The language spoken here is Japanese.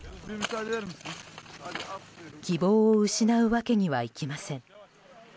希望を失うわけにはいきません。